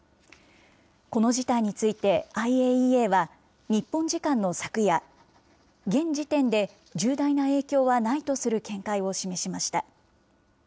この事態についてＩＡＥＡは、日本時間の昨夜、現時点で重大な影響はないとする見解を示しました。